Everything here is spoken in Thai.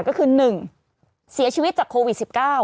ก็คือ๑เสียชีวิตจากโควิด๑๙